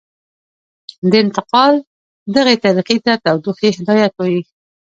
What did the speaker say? د انتقال دغې طریقې ته تودوخې هدایت وايي.